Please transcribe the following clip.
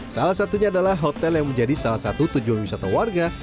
salah satunya adalah hotel yang menjadi salah satu tujuan wisata warga